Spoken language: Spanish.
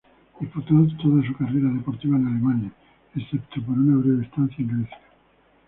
Disputó toda su carrera deportiva en Alemania, excepto por una breve estancia en Grecia.